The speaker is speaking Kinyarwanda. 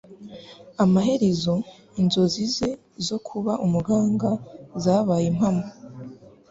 Amaherezo, inzozi ze zo kuba umuganga zabaye impamo.